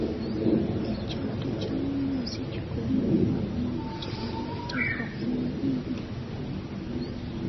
Ekyoto ky’omuweesi kikumibwa n’obuti obuyitibwa Emirindi.